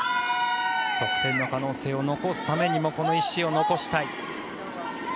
得点の可能性を残すためにもこの石を残したい。